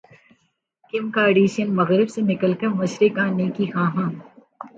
کم Kardashian مغرب سے نکل کر مشرق انے کی خواہاں